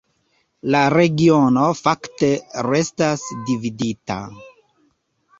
La regiono fakte restas dividita.